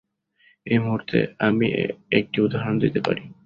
এই মুহূর্তে আমি একটি উদাহরণ দিতে পারি।